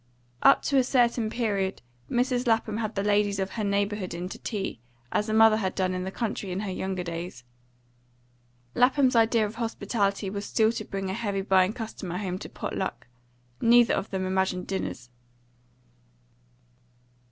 Up to a certain period Mrs. Lapham had the ladies of her neighbourhood in to tea, as her mother had done in the country in her younger days. Lapham's idea of hospitality was still to bring a heavy buying customer home to pot luck; neither of them imagined dinners.